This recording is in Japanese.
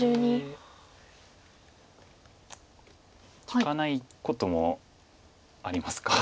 利かないこともありますか。